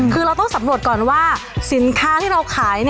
คือเราต้องสำรวจก่อนว่าสินค้าที่เราขาย